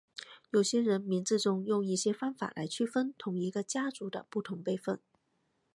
有些人名字中用一些方法来区别同一个家族的不同辈分。